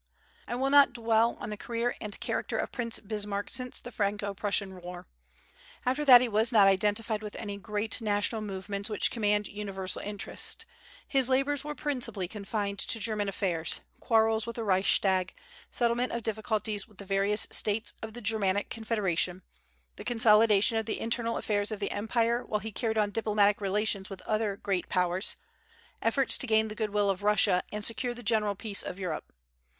I will not dwell on the career and character of Prince Bismarck since the Franco Prussian war. After that he was not identified with any great national movements which command universal interest. His labors were principally confined to German affairs, quarrels with the Reichstag, settlement of difficulties with the various States of the Germanic Confederation, the consolidation of the internal affairs of the empire while he carried on diplomatic relations with other great Powers, efforts to gain the good will of Russia and secure the general peace of Europe.